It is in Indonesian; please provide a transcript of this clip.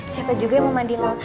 siapa juga yang mau mandiin lo